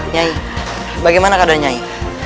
nyai bagaimana keadaan nyai